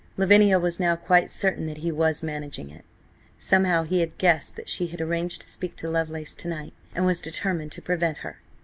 Lavinia was now quite certain that he was managing it. Somehow he had guessed that she had arranged to speak to Lovelace to night, and was determined to prevent her.